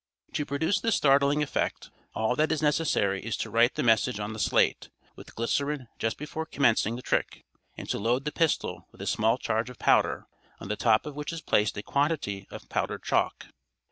To produce this startling effect all that is necessary is to write the message on the slate with glycerine just before commencing the trick, and to load the pistol with a small charge of powder, on the top of which is placed a quantity of powdered chalk.